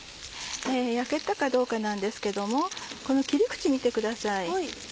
焼けたかどうかなんですけどもこの切り口見てください。